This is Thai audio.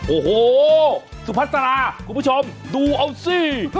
โอ้โหสุพัสราคุณผู้ชมดูเอาสิ